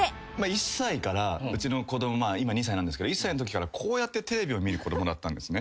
１歳からうちの子供まあ今２歳なんですけど１歳のときからこうやってテレビを見る子供だったんですね。